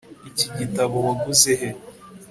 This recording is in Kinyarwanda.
Iki gitabo waguze he